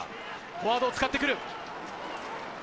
フォワードを使ってくる。